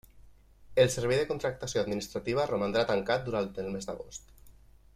El Servei de Contractació Administrativa romandrà tancant durant el mes d'agost.